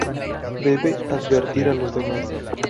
Debe advertir a los demás".